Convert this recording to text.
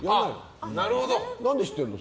何で知ってるの？